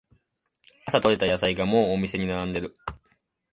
朝とれた野菜がもうお店に並んでる